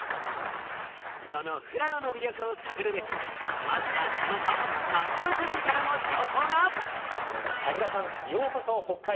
その富良野の魅力を探るべく、まずは地元・札幌テレビからの情報が。